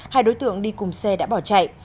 hai đối tượng đi cùng xe đã bỏ chạy